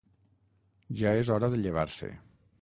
Ja és hora de llevar-se.